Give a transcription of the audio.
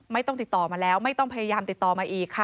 ไม่ต้องติดต่อมาแล้วไม่ต้องพยายามติดต่อมาอีกค่ะ